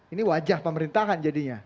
ini wajah pemerintahan jadinya